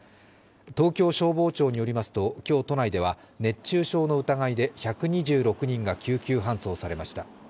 東京消防庁によりますと今日、都内では熱中症の疑いで１２６人が救急搬送されました。